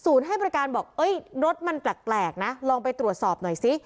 ศูนย์ให้ประการบอกเอ้ยรถมันแปลกนะลองไปตรวจสอบหน่อยซิ